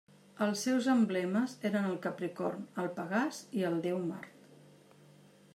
Els seus emblemes eren el capricorn, el pegàs i el déu Mart.